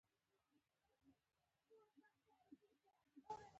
کلتور د افغانستان د اقتصادي منابعو ارزښت نور هم په پوره توګه زیاتوي.